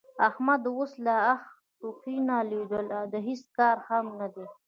احمد اوس له اخ او ټوخ نه لوېدلی د هېڅ کار هم نه دی.